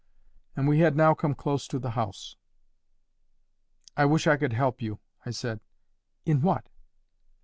And we had now come close to the house. "I wish I could help you," I said. "In what?"